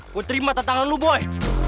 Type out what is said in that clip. gue terima tantangan lo boy